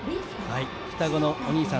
双子のお兄さん。